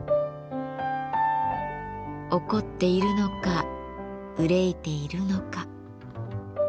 怒っているのか憂いているのか。